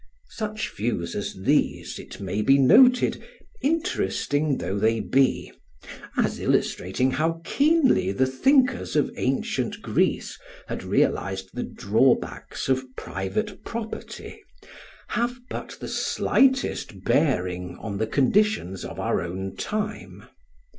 ] Such views as these, it may be noted, interesting though they be, as illustrating how keenly the thinkers of ancient Greece had realised the drawbacks of private property, have but the slightest bearing on the conditions of our own time.